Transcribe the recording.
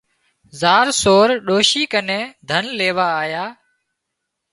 زار سور ڏوشي ڪنين ڌن ليوا آيا